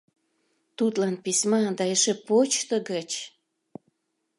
Тудлан письма да эше почто гыч!